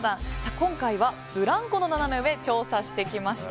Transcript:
今回はブランコのナナメ上を調査してきました。